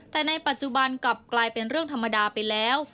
แต่ในปัจจุบันกลับกลายเป็นเรื่องธรรมดาไปแล้ว